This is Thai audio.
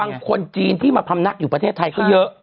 บางคนจีนที่มาพำนักอยู่ประเทศไทยก็เยอะ